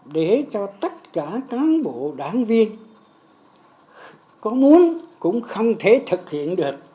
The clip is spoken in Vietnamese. để cho tất cả cán bộ đảng viên có muốn cũng không thể thực hiện được